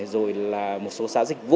rồi là một số xã dịch vụ